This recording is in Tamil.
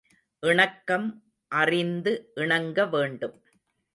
இணக்கம் அறிந்து இணங்க வேண்டும்.